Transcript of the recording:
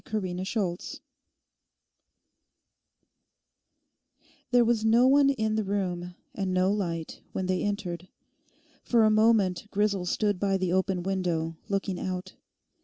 CHAPTER SEVENTEEN There was no one in the room, and no light, when they entered. For a moment Grisel stood by the open window, looking out.